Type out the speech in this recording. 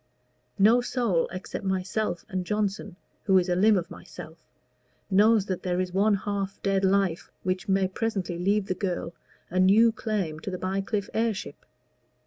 No soul except myself and Johnson, who is a limb of myself, knows that there is one half dead life which may presently leave the girl a new claim to the Bycliffe heirship.